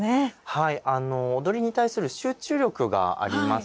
はいあの踊りに対する集中力がありますよね。